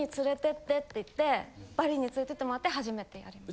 バリに連れてってもらって初めてやりました。